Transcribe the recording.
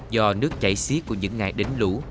do nước chảy xí của những ngày đánh lũ